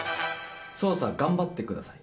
捜査頑張ってください。